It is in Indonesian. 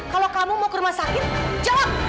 kalau kamu mau ke rumah sakit jawab